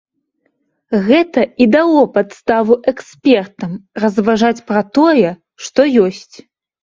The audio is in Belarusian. Гэта і дало падставу экспертам разважаць пра тое, што ёсць.